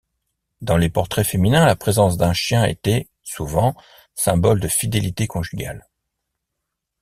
Dans les portraits féminins, la présence d'un chien était, souvent, symbole de fidélité conjugale.